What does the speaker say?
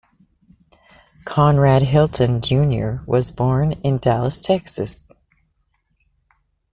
Conrad Hilton Junior was born in Dallas, Texas.